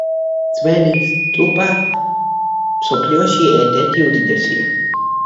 ძველი სტუპა მსოფლიოში ერთ-ერთი უდიდესია.